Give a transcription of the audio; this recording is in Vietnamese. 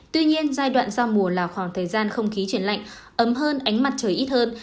tuy nhiên giai đoạn giao mùa là khoảng thời gian không khí chuyển lạnh ấm hơn ánh mặt trời ít hơn